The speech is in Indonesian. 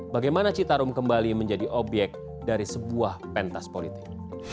bagaimana citarum kembali menjadi obyek dari sebuah pentas politik